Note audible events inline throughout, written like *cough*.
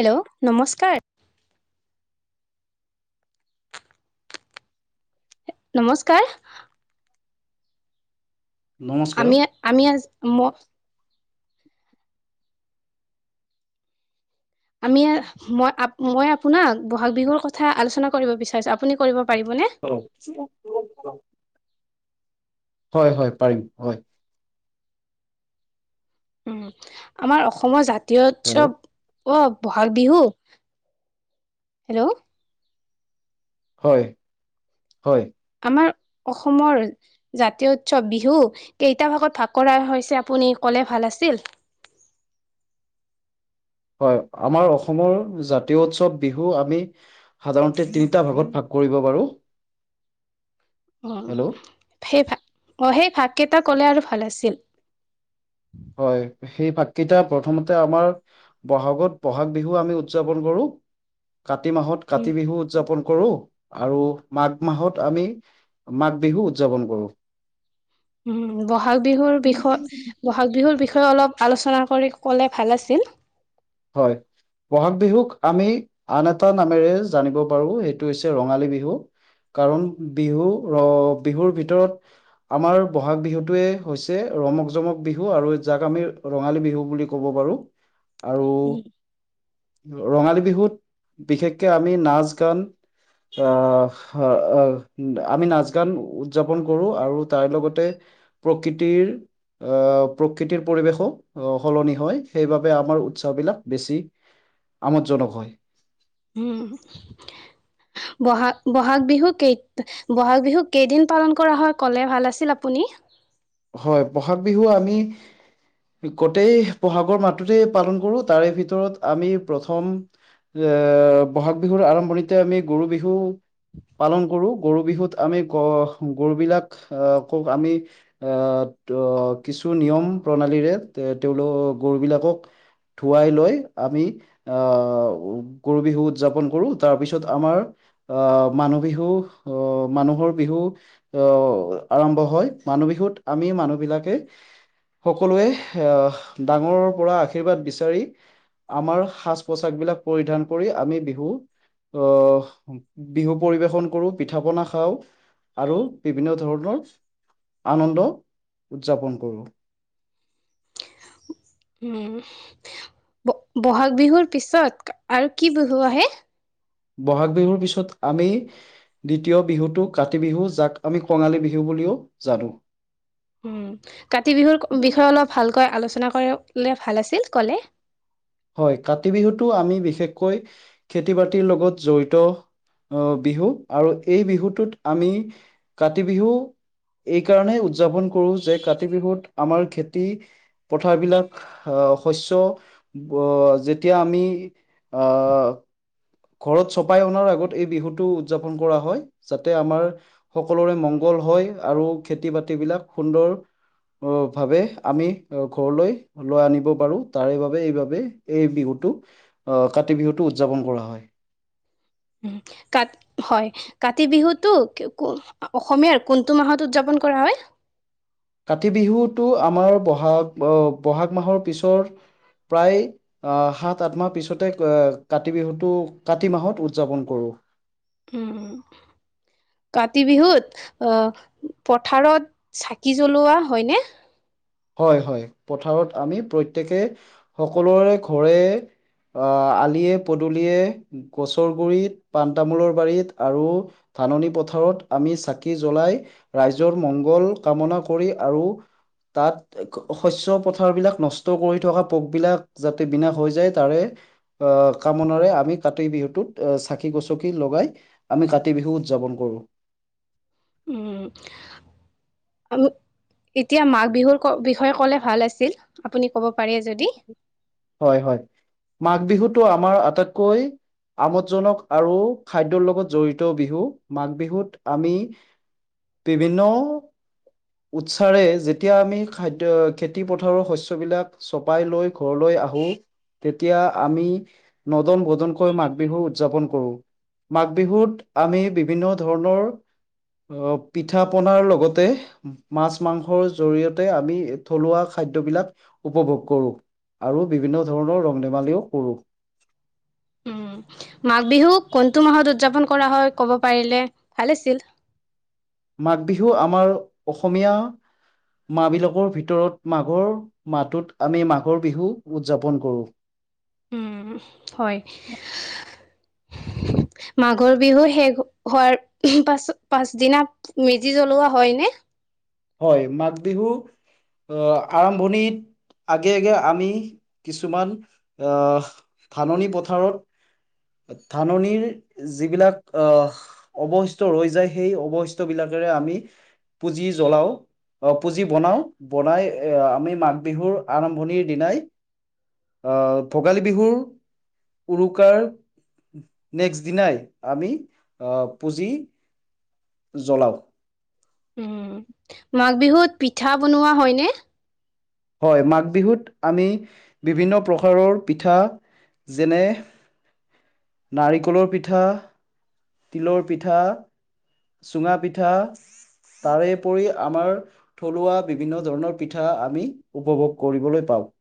Hello নমস্কাৰ। নমস্কাৰ। নমস্কাৰ। আমি, আমি, ম আমি- মই আপোনাক ব'হাগ বিহুৰ কথা আলোচনা কৰিব বিচাৰিছোঁ, আপুনি কৰিব পাৰিবনে? *unintelligible* হয় হয় পাৰিম হয়। উমঁ' আমাৰ অসমৰ জাতীয় হেল্ল' উৎসৱ- অঁ' বহাগ বিহু, হেল্ল'। হয়, হয়। আমাৰ অসমৰ- জাতীয় উৎসৱ বিহু কেইটা ভাগত ভাগ কৰা হৈছে আপুনি ক'লে ভাল আছিল। হয়, আমাৰ অসমৰ জাতীয় উৎসৱ বিহু আমি- সাধাৰণতে তিনিটা ভাগত ভাগ কৰিব পাৰোঁ। অ, সেই ভা, অঁ' সেই ভাগ কেইটা ক'লে আৰু ভাল আছিল? হয়, সেই ভাগকেইটা প্ৰথমতে আমাৰ- বহাগত বহাগ বিহু আমি উদযাপন কৰো, কাতি মাহত উম কাতি বিহু উদযাপন- কৰো আৰু মাঘ মাহত আমি মাঘ বিহু উদযাপন কৰোঁ। উমঁ' বহাগ বিহুৰ বিষয়- বহাগ বিহুৰ বিষয়ে অলপ আলোচনা কৰি ক'লে ভাল আছিল। হয়। ব'হাগ বিহুক আমি আন এটা নামেৰে জানিব পাৰো সেইটো হৈছে ৰঙালী বিহু। কাৰণ বিহু ৰ বিহুৰ ভিতৰত আমাৰ ব'হাগ বিহুটোৱে হৈছে ৰমক-জমক বিহু আৰু যাক আমি ৰঙালী বিহু বুলি ক'ব পাৰো। আৰু উম ৰঙালী বিহুত বিশেষকে আমি নাচ-গান, আ অ অ আমি নাচ-গান উদযাপন কৰো আৰু তাৰ লগতে প্ৰকৃতিৰ আ প্ৰকৃতিৰ পৰিৱেশো সলনি হয় সেইবাবে আমাৰ উৎসৱবিলাক বেছি আমোদজনক হয়। হুম, ব'হাগ ব'হাগ বিহু কেই ব'হাগ বিহু কেইদিন পালন কৰা হয় ক'লে ভাল আছিল আপুনি। হয় ব'হাগ বিহু আমি গোটেই ব'হাগৰ মাহটোতেই পালন কৰো তাৰে ভিতৰত আমি প্ৰথম এ ব'হাগ বিহুৰ আৰম্ভণিতে আমি গৰু বিহু পালন কৰো, গৰু বিহুত আমি গ গৰুবিলাক আ খুব আমি আ কিছু নিয়ম-প্ৰণালীৰে তেওঁলোক গৰুবিলাকক ধুৱাই লৈ আমি আ গৰু বিহু উদযাপন কৰো তাৰপিছত আমাৰ আ মানুহ বিহু আ মানুহৰ বিহু আ আৰম্ভ হয় মানুহ বিহুত আমি মানুহ বিলাকে সকলোৱে আ ডাঙৰৰ পৰা আশীৰ্বাদ বিচাৰি আমাৰ সাজ-পোচাকবিলাক পৰিধান কৰি আমি বিহু আ বিহু পৰিবেশন কৰো, পিঠা-পনা খাওঁ আৰু বিভিন্ন ধৰণৰ আনন্দ উদযাপন কৰো। উম। ব'হাগ বিহুৰ পিছত আৰু কি বিহু আহে? ব'হাগ বিহুৰ পিছত আমি দ্বিতীয় বিহুটো কাতি বিহু যাক আমি কঙালী বিহু বুলিও জানো। উম কাতি বিহুৰ বিষয়ে অলপ ভালকৈ আলোচনা কৰিলে ভাল আছিল ক'লে। হয়, কাতি বিহুটো আমি বিশেষকৈ খেতি-বাতিৰ লগত জড়িত আ বিহু আৰু এই বিহুটোত আমি কাতি বিহু এই কাৰণেই উদযাপন কৰো যে কাতি বিহুত আমাৰ খেতি পথাৰবিলাক আ শস্য ব যেতিয়া আমি আ ঘৰত চপাই অনাৰ আগত এই বিহুটো উদযাপন কৰা হয় যাতে আমাৰ সকলোৰে মংগল হয় আৰু খেতি-বাতিবিলাক সুন্দৰ ভাৱে আমি ঘৰলৈ লৈ আনিব পাৰো তাৰে বাবে এইবাবে এই বিহুটো আ কাতি বিহুটো উদযাপন কৰা হয়। কাত হয়। কাতি বিহুটো ক অসমীয়াৰ কোনটো মাহত উদযাপন কৰা হয়? কাতি বিহুটো আমাৰ ব'হাগ আ ব'হাগ মাহৰ পিছৰ প্ৰায় আ সাত, আঠ মাহ পিছতে কাতি বিহুটো কাতি মাহত উদযাপন কৰো। উম। কাতি বিহুত পথাৰত চাকি জ্বলোৱা হয়নে? হয় হয়, পথাৰত আমি প্ৰত্যেকে সকলোৰে ঘৰে আ আলিয়ে পদুলিয়ে গছৰ গুৰিত পাণ তামোলৰ বাৰীত আৰু ধাননি পথাৰত আমি চাকি জ্বলাই ৰাইজৰ মংগল কামনা কৰি আৰু তাত শস্য পথাৰবিলাক নষ্ট কৰি থকা পোকবিলাক যাতে বিনাশ হৈ যায়। তাৰে আহ কামনাৰে আমি কাতি বিহুটোত চাকি গচকি লগাই আমি কাতি বিহু উদযাপন কৰোঁ। উম। এতিয়া মাঘ বিহুৰ বিষয়ে ক'লে ভাল আছিল। আপুনি ক'ব পাৰে যদি। হয়, হয় মাঘ বিহুতো আমাৰ আটাইতকৈ আমোদজনক আৰু খাদ্যৰ লগত জড়িত, বিহু মাঘ বিহুত আমি বিভিন্ন উৎসাৰে যেতিয়া আমি খাদ্য খেতি পথাৰৰ শস্যবিলাক চপাই লৈ ঘৰলৈ আহো। এতিয়া আমি নদন বদনকৈ মাঘ বিহু উদযাপন কৰো। মাঘ বিহুত আমি বিভিন্ন ধৰণৰ। অ' পিঠা পনাৰ লগতে। মাছ মাংসৰ জৰিয়তে আমি থলুৱা খাদ্যবিলাক। উপভোগ কৰোঁ, আৰু বিভিন্ন ধৰণৰ ৰং ধেমালিও কৰোঁ। উম' মাঘ বিহু কোনটো মাহত উদযাপন কৰা হয়, ক'ব পাৰিলে ভাল আছিল। মাঘ বিহু আমাৰ অসমীয়া মাহ বিলাকৰ ভিতৰত, মাঘৰ মাহটোত আমি মাঘৰ বিহু উদযাপন কৰোঁ। হয়। মাঘৰ বিহু শেষ হোৱাৰ পাছ পাছদিনা। মেজি জ্বলোৱা হয় নে? হয় মাঘ বিহু। আৰম্ভণিত আগে আগে আমি কিছুমান আ ধাননি পথাৰত ধাননিৰ যিবিলাক আ অৱশিষ্ট হৈ যায়, সেই অৱশিষ্টবিলাকেৰে আমি পুজি জ্বলাও। অ' পুঁজি বনাও, বনাই আ আমি মাঘ বিহুৰ আৰম্ভণিৰ দিনাই অ' ভোগালী বিহু উৰুকাৰ। নেক্সট দিনাই আমি পুঁজি জ্বলাওঁ। উম' মাঘ বিহুত পিঠা বনোৱা হয়নে? হয়, মাঘ বিহুত আমি বিভিন্ন প্ৰকাৰৰ পিঠা। যেনে নাৰিকলৰ পিঠা, তিলৰ পিঠা। চুঙা পিঠা। তাৰেপৰি আমাৰ থলুৱা বিভিন্ন ধৰণৰ পিঠা আমি উপভোগ কৰিবলৈ পাওঁ।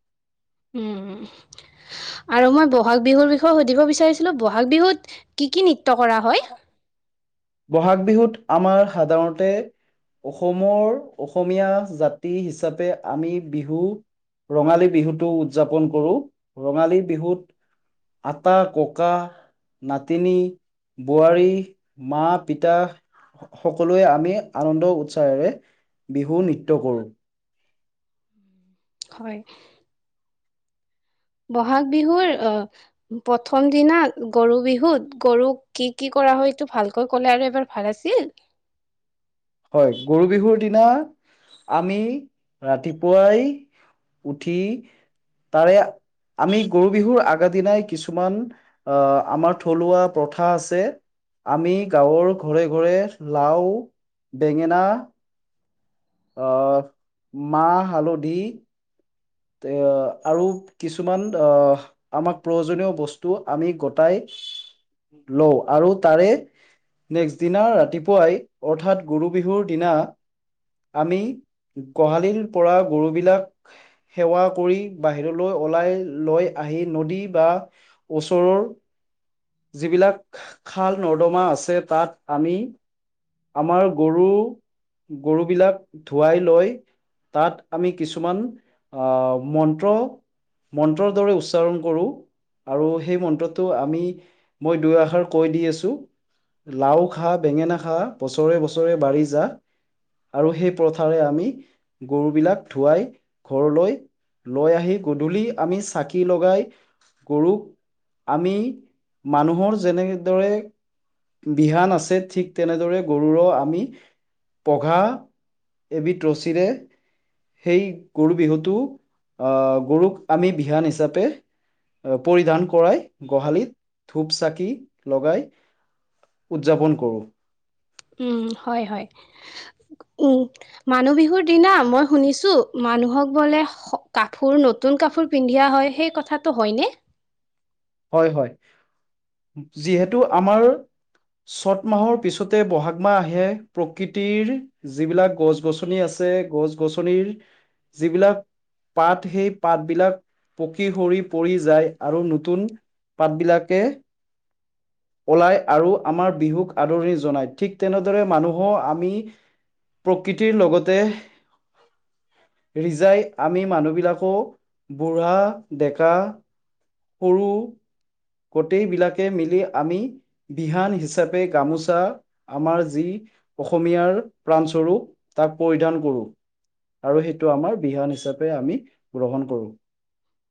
উম' আৰু মই বহাগ বিহুৰ বিষয়ে সুধিব বিচাৰিছিলো, বহাগ বিহুত কি কি নৃত্য কৰা হয়? বহাগ বিহুত আমাৰ সাধাৰণতে। অসমৰ অসমীয়া জাতি হিচাপে আমি বিহু। ৰঙালী বিহুটো উদযাপন কৰো, ৰঙালী বিহুত। আটা, ককা, নাতিনী, বোৱাৰী। মা পিতা মা পিতা সকলোৱে আমি আনন্দ উৎসাহেৰে বিহু নৃত্য কৰোঁ। হয়। বহাগ বিহুৰ আ। প্ৰথম দনা গৰু বিহুত গৰুক কি কি কৰা হয় এইটো ভালকৈ ক'লে আৰু এবাৰ। ভাল আছিল। হয় গৰু বিহুৰ দিনা আমি ৰাতিপুৱাই উঠি তাৰে আমি গৰু বিহুৰ আগ দিনাই কিছুমান আহ আমাৰ থলুৱা প্ৰথা আছে। আমি গাঁৱৰ ঘৰে ঘৰে লাও বেঙেনা, আহ মাহ হালধি আৰু কিছুমান অহ আমাক প্ৰয়োজনীয় বস্তু আমি গটাই লওঁ আৰু তাৰে নেক্সট দিনা ৰাতিপুৱাই অৰ্থাৎ গৰু বিহুৰ দিনা আমি গোহালিৰ পৰা গৰু বিলাক। সেৱা কৰি বাহিৰলৈ ওলাই লৈ আহি নদী বা। ওচৰৰ যিবিলাক খাল নৰ্দমা আছে তাত আমি আমাৰ গৰু গৰু বিলাক ধুৱাই লৈ তাত আমি কিছুমান আহ মন্ত্ৰ মন্ত্ৰৰ দৰে উচ্চাৰণ কৰো। আৰু সেই মন্ত্ৰটো আমি মই দুই এষাৰ কৈ দি আছোঁ। লাও খা বেঙেনা খা বছৰে বছৰে বাঢ়ি যা আৰু সেই প্ৰথাৰে আমি গৰুবিলাক ধুৱাই ঘৰলৈ লৈ আহি গধূলি আমি চাকি লগাই গৰুক আমি মানুহৰ যেনেদৰে বিহান আছে ঠিক তেনেদৰে গৰুৰ আমি পঘা এবিধ ৰছীৰে সেই গৰু বিহুতটো আহ গৰুক আমি বিহান হিচাপে পৰিধান কৰাই গোহালিত ধূপ চাকি লগাই উদযাপন কৰোঁ। উম হয় হয় উম। মানুহ বিহুৰ দিনা মই শুনিছো মানুহক বোলে কাপোৰ নতুন নতুন কাপোৰ পিন্ধা হয় সেই কথাটো হয়নে। হয় হয় যিহেতু আমাৰ চ'ত মাহৰ পিছতে বহাগ মাহ আহে প্ৰকৃতিৰ যিবিলাক গছ গছনি আছে গছ গছনিৰ যিবিলাক পাত সেই পাতবলাক পকী সৰি পৰি যায় আৰু সেই নতুন পাত বিলাকে। *inaudible* ওলাই আৰু আমাৰ বিহুক আদৰি জনাই ঠিক তেনেদৰে মানুহো আমি প্ৰকৃতিৰ লগতে ৰিজাই আমি মানুহবিলাকো বুঢ়া ডেকা কৰোঁ। গোটেই বিলাকে মিলি আমি বিহান হিচাপে গামোচা আমাৰ যি অসমীয়াৰ প্ৰাণ স্বৰূপ তাক পৰিধান কৰোঁ। আৰু সেইটো আমাৰ বিহান হিচাপে আমি গ্ৰহণ কৰো।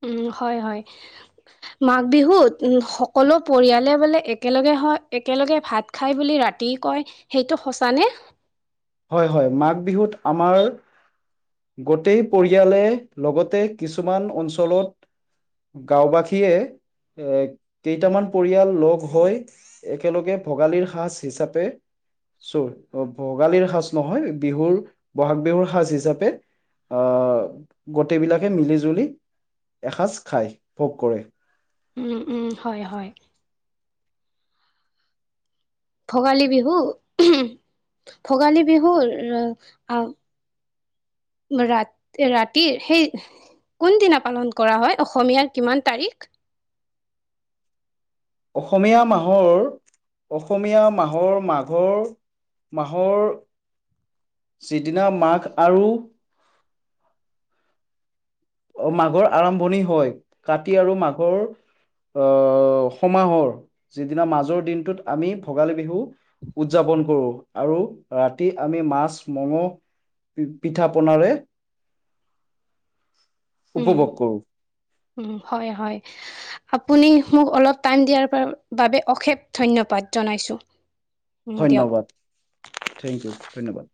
উম হয় হয়। মাঘ বিহুত সকলো পৰিয়ালে বোলে একেলগে হয় একেলগে ভাত খায় বুলি ৰাতি কয় সেইটো সঁচানে? হয় হয় মাঘ বিহুত আমাৰ গোটেই পৰিয়ালে লগতে কিছুমান অঞ্চলত গাঁও বাসীয়ে এ কেইটামান পৰিয়াল লগ হৈ একেলগে ভোগালীৰ সাজ হিচাপে চোৰ ভোগালীৰ সাজ নহয় বিহুৰ বহাগ বিহুৰ সাজ হিচাপে আহ গোটেই বিলাকে মিলি জুলি এসাঁজ খায়, ভোগ কৰে। উম উম হয় হয়। ভোগালী বিহু ভোগালী বিহুৰ ৰ আহ ৰাত ৰাতিৰ সেই কোন দিনা পালন কৰা হয়? অসমীয়াৰ কিমান তাৰিখ? অসমীয়া মাহৰ অসমীয়া মাহৰ মাঘৰ মাহৰ যিদিনা মাঘ আৰু মাঘৰ আৰম্ভণি হয়, কাটি আৰু মাঘৰ আহ সমাহৰ যিদিনা মাজৰ দিনটোত আমি ভোগালী বিহু উদযাপন কৰোঁ, আৰু ৰাতি আমি মাছ মঙ পিঠা পনাৰে উম, উপভোগ কৰোঁ উম, হয়, হয়। আপুনি মোক অলপ টাইম দিয়াৰ বাবে অশেষ ধন্যবাদ জনাইছো। ধন্যবাদ থেংক ইউ ধন্যবাদ।